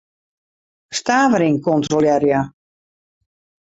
Stavering kontrolearje.